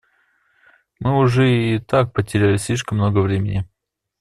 Мы уже и так потеряли слишком много времени.